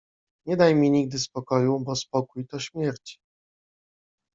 Nie daj mi nigdy spokoju, bo spokój — to śmierć.